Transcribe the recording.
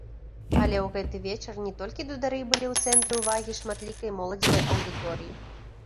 Але ў гэты вечар не толькі дудары былі ў цэнтры ўвагі шматлікай моладзевай аўдыторыі.